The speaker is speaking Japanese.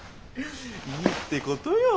いいってことよ。